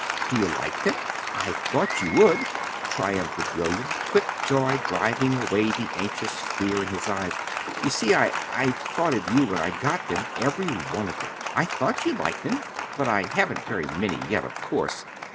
"Do you like them? I thought you would," triumphed William, quick joy driving away the anxious fear in his eyes. "You see, I I thought of you when I got them every one of them. I thought you'd like them. But I haven't very many, yet, of course.